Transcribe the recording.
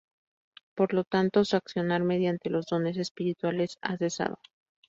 Por lo tanto, su accionar mediante los "dones espirituales" ha cesado.